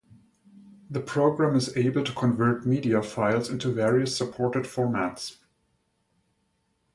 The program is able to convert media files into various supported formats.